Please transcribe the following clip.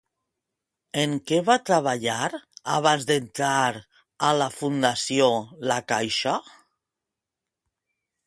En què va treballar abans d'entrar a la Fundació la Caixa?